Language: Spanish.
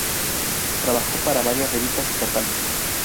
Trabajó para varias revistas estatales.